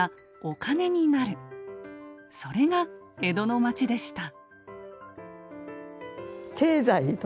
それが江戸の街でした。